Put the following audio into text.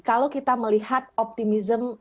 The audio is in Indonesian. kalau kita melihat optimisme